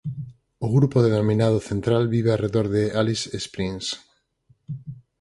O grupo denominado central vive arredor de Alice Springs.